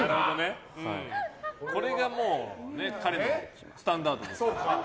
これが彼のスタンダードです。